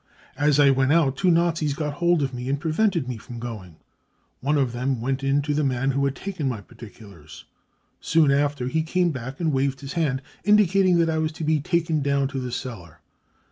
" As I went out two Nazis got hold of me and prevented me from going. One of them went in to the man who had taken my particulars. Soon after, he came back and waved his hand, indicating that I was to be taken down to the cellar.